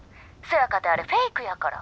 そやかてあれフェイクやから」。